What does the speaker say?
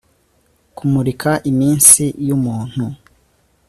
kumurika iminsi yumuntu